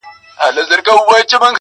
زه دي وینمه لا هغسي نادان یې,